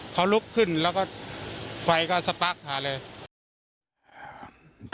เขาลุกขึ้นแล้วก็ไฟก็สปาร์คมาเลย